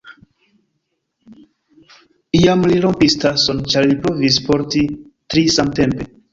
Iam li rompis tason, ĉar li provis porti tri samtempe.